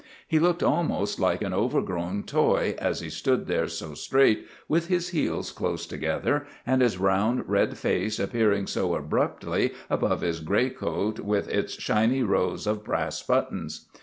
He looked almost like an overgrown toy as he stood there so straight with his heels close together and his round red face appearing so abruptly above his gray coat with its shiny rows of brass buttons.